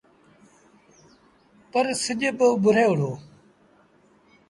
پر سڄ اُڀري وُهڙو۔